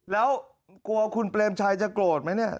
แล้วกลัวคุณเปรมชัยจะโกรธไหมเนี่ย